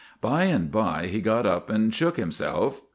' By and by he got up and shook himself.